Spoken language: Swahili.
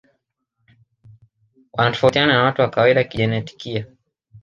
Wanatofautiana na watu wa kawaida kijenetikia